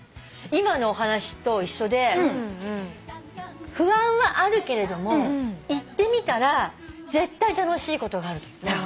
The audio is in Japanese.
今のお話と一緒で不安はあるけれども行ってみたら絶対楽しいことがあると。